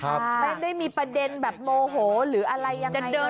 ไม่ได้มีประเด็นแบบโมโหหรืออะไรยังไง